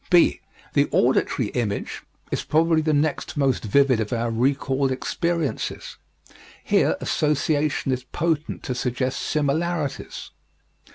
(b) The auditory image is probably the next most vivid of our recalled experiences. Here association is potent to suggest similarities.